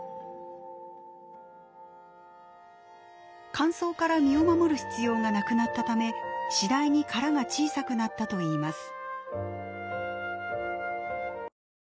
乾燥から身を守る必要がなくなったため次第に殻が小さくなったといいます。